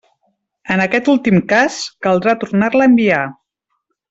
En aquest últim cas, caldrà tornar-la a enviar.